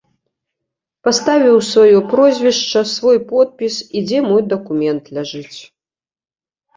Паставіў сваё прозвішча, свой подпіс і дзе мой дакумент ляжыць.